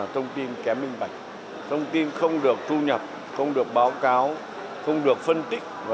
thông tin không được thu nhập không được báo cáo không được phân tích